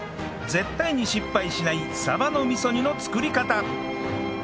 絶対に失敗しないサバの味噌煮の作り方